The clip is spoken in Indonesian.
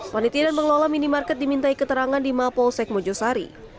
panitia dan pengelola minimarket dimintai keterangan di mapolsek mojosari